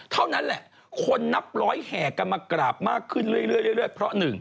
เท่านั้นแหละคนนับร้อยแหกระมากกราบมากขึ้นเรื่อยเรื่อยเรื่อยเพราะ